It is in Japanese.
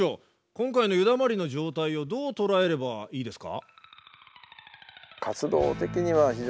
今回の湯だまりの状態をどう捉えればいいですか？